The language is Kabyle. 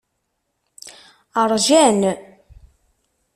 Ṛjan.